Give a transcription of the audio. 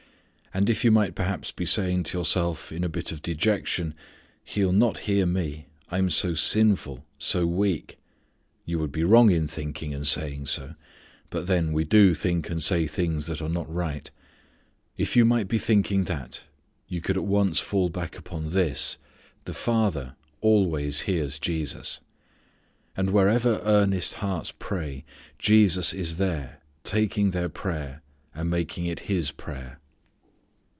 And if you might perhaps be saying to yourself in a bit of dejection, "He'll not hear me: I'm so sinful: so weak" you would be wrong in thinking and saying so, but then we do think and say things that are not right if you might be thinking that, you could at once fall back upon this: the Father always hears Jesus. And wherever earnest hearts pray Jesus is there taking their prayer and making it His prayer.